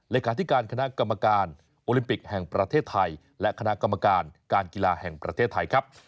เลขาธิการคณะกรรมการโอลิมปิกแห่งประเทศไทยและคณะกรรมการการกีฬาแห่งประเทศไทยครับ